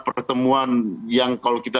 pertemuan yang kalau kita